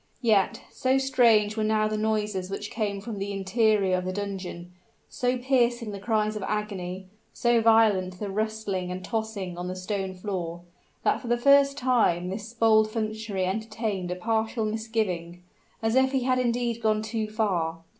Yet, so strange were now the noises which came from the interior of the dungeon so piercing the cries of agony so violent the rustling and tossing on the stone floor, that for the first time this bold functionary entertained a partial misgiving, as if he had indeed gone too far.